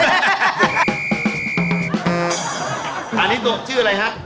อันนี้ชื่ออะไรครับ